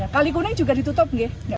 kaliurang juga ditutup